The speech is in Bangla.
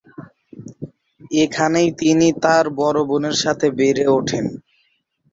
এখানেই তিনি তার বড়ো বোনের সাথে বেড়ে ওঠেন।